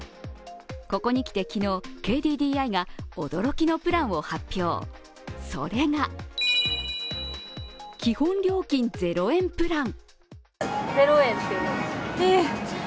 ここにきて昨日、ＫＤＤＩが驚きのプランを発表、それが基本料金０円プラン。